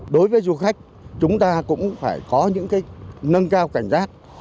đối với du khách chúng ta cũng phải có những nâng cao cảnh giác